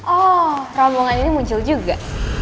oh rombongan ini muncul juga